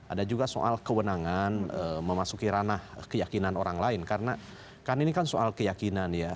ada juga soal kewenangan memasuki ranah keyakinan orang lain karena kan ini kan soal keyakinan ya